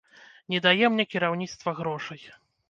Не дае мне кіраўніцтва грошай.